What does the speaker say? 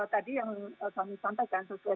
tadi yang kami sampaikan sesuai